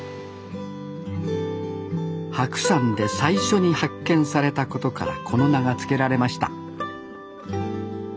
白山で最初に発見されたことからこの名が付けられました